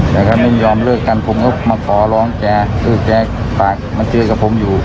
แต่ถ้าไม่ยอมเลิกกันผมก็มาขอร้องแกคือแกฝากมาเจอกับผมอยู่